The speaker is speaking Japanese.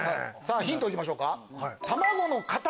ヒント行きましょうか。